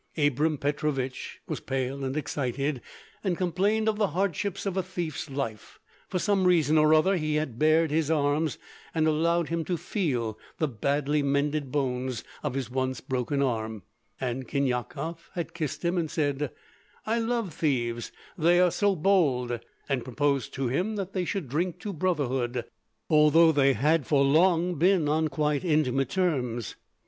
Abram Petrovich was pale and excited, and complained of the hardships of a thief"s life; for some reason or other he had bared his arms and allowed him to feel the badly mended bones of his once broken arm, and Khinyakov had kissed him and said: "I love thieves, they are so bold," and proposed to him that they should drink to "brotherhood," although they had for long been on quite intimate terms.